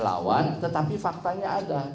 lawan tetapi faktanya ada